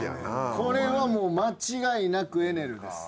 これはもう間違いなくエネルです。